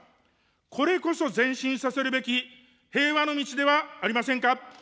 これこそ前進させるべき平和の道ではありませんか。